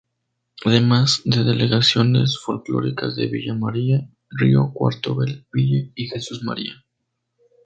Además delegaciones folclóricas de Villa María, Río Cuarto, Bell Ville y Jesús María.